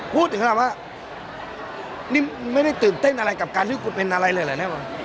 พูดถึงครับว่านี่ไม่ได้ตื่นเต้นอะไรกับการรู้เป็นอะไรเลยเหรอเนี่ย